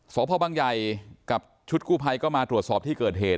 สพบังใหญ่กับชุดกู้ภัยก็มาตรวจสอบที่เกิดเหตุ